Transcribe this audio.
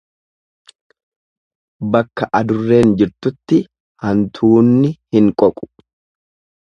Bakka adurreen jirtutti hantuunni hin qoqu.